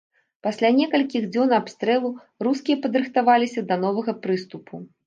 Пасля некалькіх дзён абстрэлу, рускія падрыхтаваліся да новага прыступу.